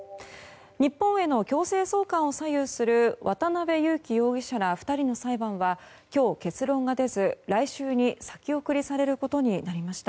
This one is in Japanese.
日本への強制送還を左右する渡邉優樹容疑者ら２人の裁判は今日、結論が出ず来週に先送りされることになりました。